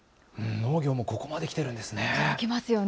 農業もここまで来てるんですね。